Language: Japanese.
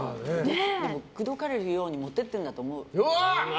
口説かれるように持ってってるんだと思う。